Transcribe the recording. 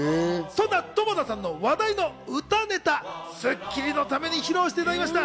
そんな友田さんの話題の歌ネタ、『スッキリ』のために披露していただきました。